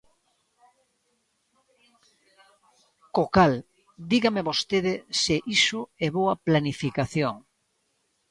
Co cal, dígame vostede se iso é boa planificación.